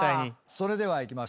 それではいきましょう。